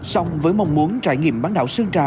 xong với mong muốn trải nghiệm bán đảo sơn trà